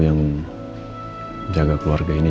yang jaga keluarga ini